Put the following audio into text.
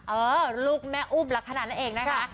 เออลูกแม่อุบลักขนาดนั้นเองนะคะ